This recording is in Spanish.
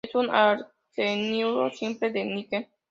Es un arseniuro simple de níquel.